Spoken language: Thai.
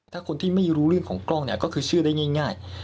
ถ้าคนที่ไม่รู้เรื่องของกล้องเนี่ยก็คือเชื่อได้ง่าย